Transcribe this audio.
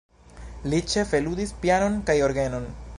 Li ĉefe ludis pianon kaj orgenon.